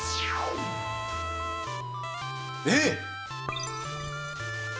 えっ！？